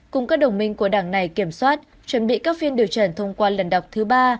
cùng các đồng minh của đảng này kiểm soát chuẩn bị các phiên điều trần thông qua lần đọc thứ ba